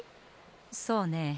そうねえ。